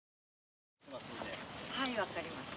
はいわかりました。